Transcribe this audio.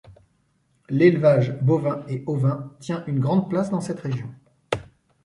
L’élevage bovin et ovin tient une grande place dans cette région.